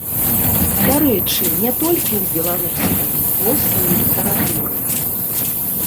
Дарэчы, не толькі ў беларускай, проста ў літаратуры.